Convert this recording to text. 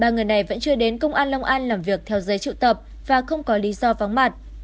ba người này vẫn chưa đến công an long an làm việc theo giấy triệu tập và không có lý do vắng mặt